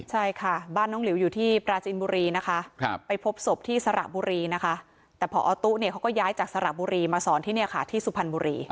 ใช่ค่ะบ้านน้องหลิวอยู่ที่ปราจินบุรีนะคะไปพบศพที่สระบุรีนะคะแต่พอตุ๊เนี่ยเขาก็ย้ายจากสระบุรีมาสอนที่เนี่ยค่ะที่สุพรรณบุรี